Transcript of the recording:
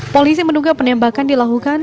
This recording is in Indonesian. polisi menunggu penembakan dilakukan